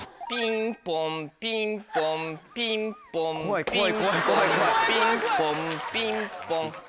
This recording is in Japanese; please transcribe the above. ピンポンピンポン。